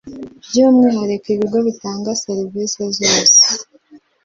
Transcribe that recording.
byu umwihariko ibigo bitanga serivisi zo